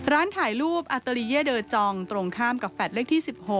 ถ่ายรูปอาตาลีเยเดอร์จองตรงข้ามกับแฟลตเลขที่๑๖